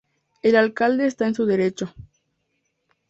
El alcalde está en su derecho...".